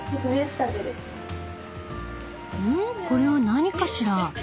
これは何かしら？